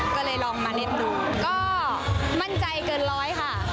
ก็เลยลองมาเล่นดูก็มั่นใจเกินร้อยค่ะ